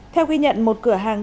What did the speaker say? theo ghi nhận một cửa hàng